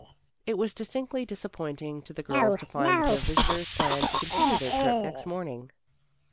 It was distinctly disappointing to the girls to find that their visitors planned to continue their trip next morning.